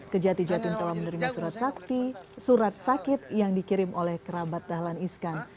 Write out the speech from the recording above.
kejati jatin telah menerima surat sakit yang dikirim oleh kerabat dahlan iskan